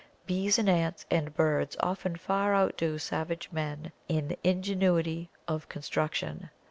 Bees and ants and birds often far outdo savage men in ingenuity of construction.